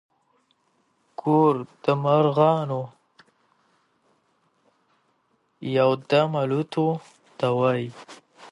ګور د مرغانو يو دم الوتو ته وايي.